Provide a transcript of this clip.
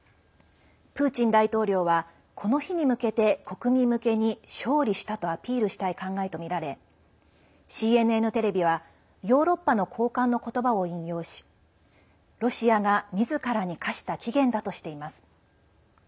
プーチン大統領はこの日に向けて国民向けに勝利したとアピールしたい考えとみられＣＮＮテレビはヨーロッパの高官のことばを引用しロシアがみずからに課した期限だとしています。